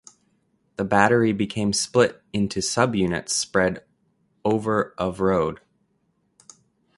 The battery became split into subunits spread over of road.